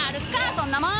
そんなもん！